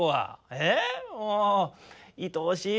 ええもういとおしい。